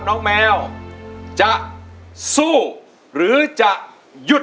จะแมวสู้หรือจะหยุด